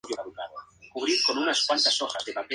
Borda Hasta Calle Publica.